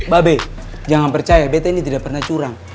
babe jangan percaya bete ini tidak pernah curang